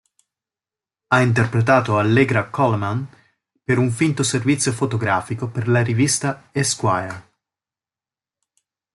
Ha interpretato Allegra Coleman per un finto servizio fotografico per la rivista "Esquire".